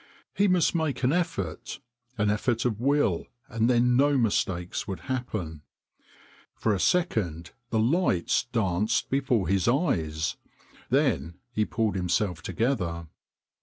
He must make an effort, an effort of will, and then no mistakes would happen. For a second the lights danced before his eyes, then he pulled himself to gether.